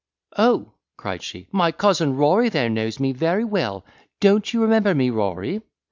"Oh!" cried she, "my cousin Rory there knows me very well. Don't you remember me, Rory?"